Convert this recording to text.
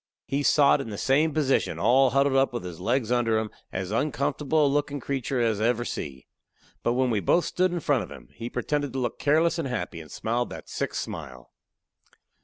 He sot in the same position, all huddled up, with his leg under him, as uncomfortable a lookin' creeter as I ever see. But when we both stood in front of him, he pretended to look careless and happy, and smiled that sick smile.